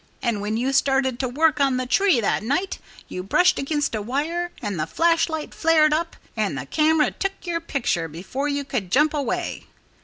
And when you started to work on the tree that night you brushed against a wire, and the flashlight flared up, and the camera took your picture before you could jump away....